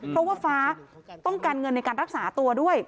เพราะว่าฟ้าต้องการเงินในการรักษาตัวด้วย